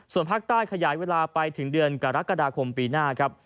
ส่วนภาคใต้ขยายเวลาไปถึงเดือนกรกฎาคมปีหน้าครับ